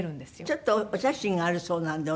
ちょっとお写真があるそうなんで。